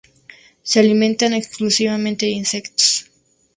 Se alimentan exclusivamente de insectos.